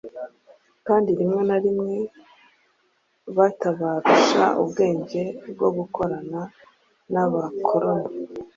kandi rimwe na rimwe batabarusha ubwenge bwo gukorana n'abakoloni.